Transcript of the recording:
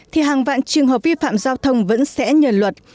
thì hàng vạn trường hợp vi phạm giao thông vẫn sẽ nhờ luật